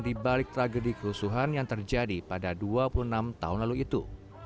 di balik tragedi kerusuhan yang terjadi pada dua puluh enam tahun lalu itu